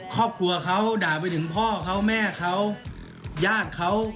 ครอบครัวเขาด่าไปถึงพ่อเขาแม่เขาญาติเขา